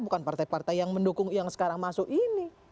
bukan partai partai yang mendukung yang sekarang masuk ini